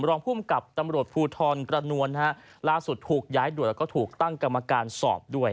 รองภูมิกับตำรวจภูทรกระนวลฮะล่าสุดถูกย้ายด่วนแล้วก็ถูกตั้งกรรมการสอบด้วย